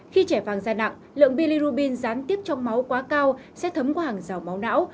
khi trẻ vàng da nặng lượng bilirubin dán tiếp trong máu quá cao sẽ thấm qua hàng rào máu não